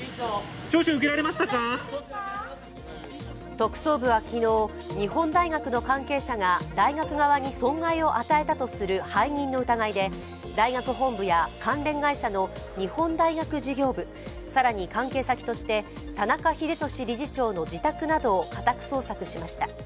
特捜部は昨日、日本大学の関係者が大学側に損害を与えたとする背任の疑いで大学本部や関連会社の日本大学事業部、更に関係先として、田中英壽理事長の自宅などを家宅捜索しました。